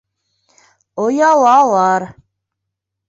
Оялалар.